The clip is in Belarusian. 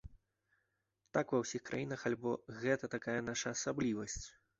Так ва ўсіх краінах альбо гэта такая наша асаблівасць?